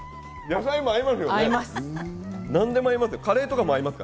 野菜も合います。